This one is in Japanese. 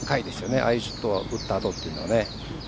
ああいうショットを打ったあとというのは。